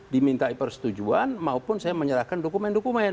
dimintai persetujuan maupun saya menyerahkan dokumen dokumen